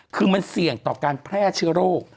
คือมันเสี่ยงต่อการแพร่เชื้อโรค